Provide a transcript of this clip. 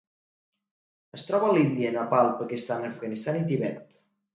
Es troba a l'Índia, Nepal, Pakistan, Afganistan i Tibet.